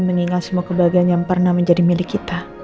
mengingat semua kebahagiaan yang pernah menjadi milik kita